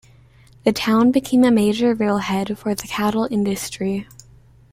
The town became a major railhead for the cattle industry.